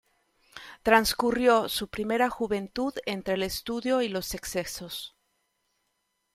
Transcurrió su primera juventud entre el estudio y los excesos.